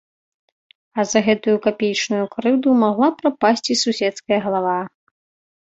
А за гэтую капеечную крыўду магла прапасці суседская галава.